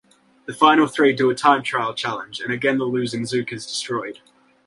The final three do a time-trial challenge, and again the losing zook is destroyed.